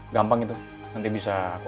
gampang itu nanti bisa aku atur